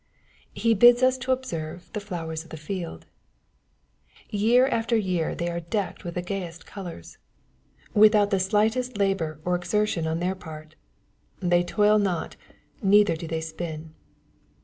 He bids us to observe the flowers of the field. Year aftei ▼ear they are decked with the gayest colors, without tha 60 SXPOSITOBT THOUGHTS. slightest labor or exertion on their part. " They toil not, neither do they spin."